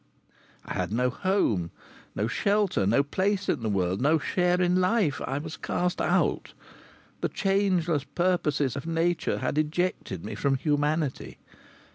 I had no home, no shelter, no place in the world, no share in life. I was cast out. The changeless purposes of nature had ejected me from humanity.